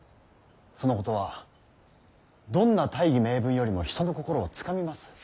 そのことはどんな大義名分よりも人の心をつかみます。